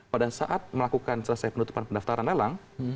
pada saat melakukan selesai penutupan pendaftaran lelang